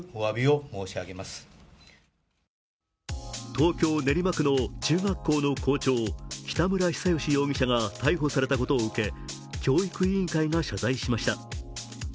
東京・練馬区の中学校の校長北村比左嘉容疑者が逮捕されたことを受け教育委員会が謝罪しました。